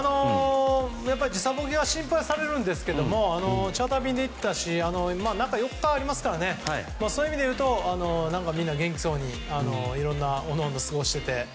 時差ボケは心配されるんですがチャーター便で行ったし中４日ありますからねそういう意味でいうとみんな元気そうにいろんな各々過ごしてて。